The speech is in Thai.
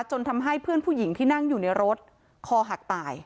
จนทำให้เพื่อนผู้หญิงที่นั่งอยู่ในรถคอหักตาย